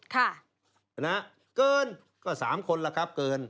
คณะเกินก็๓คนละครับเกิน